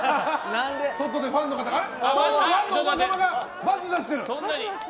外でファンの方が×出してる！